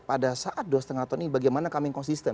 pada saat dua lima tahun ini bagaimana kami konsisten